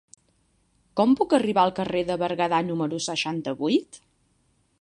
Com puc arribar al carrer de Berguedà número seixanta-vuit?